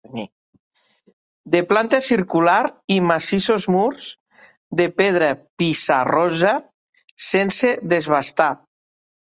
De planta circular i massissos murs de pedra pissarrosa sense desbastar.